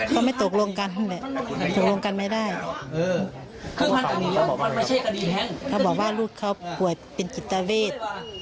เขาบอกว่าลูกเขาป่วยเป็นกิจตาเวท